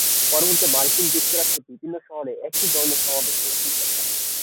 পরবর্তীতে মার্কিন যুক্তরাষ্ট্রের বিভিন্ন শহরে একই ধরনের সমাবেশ অনুষ্ঠিত হয়।